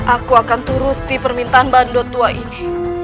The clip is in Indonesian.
aku akan turuti permintaan bandotua ini